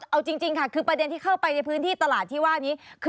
เอาจริงค่ะคือประเด็นที่เข้าไปในพื้นที่ตลาดที่ว่านี้คือ